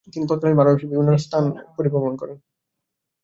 তিনি তৎকালীন ভারতবর্ষের বিভিন্ন রাজ্য ও স্থান পরিভ্রমণ করেন।